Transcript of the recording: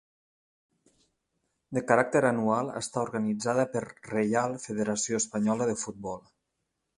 De caràcter anual, està organitzada per Reial Federació Espanyola de Futbol.